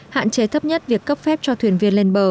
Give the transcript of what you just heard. hạn chế thấp nhất việc cấp phép cho thuyền viên lên bờ